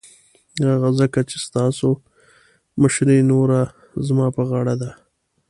ځکه چې ستاسو مشرې نوره زما په غاړه ده.